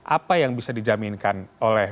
apa yang bisa dijaminkan oleh